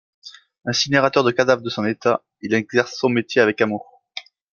Incinérateur de cadavres de son état, il exerce son métier avec amour.